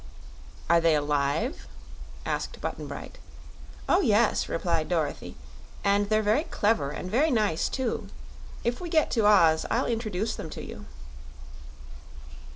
"Are they alive?" asked Button Bright. "Oh yes," replied Dorothy; "and they're very clever and very nice, too. If we get to Oz I'll introduce them to you."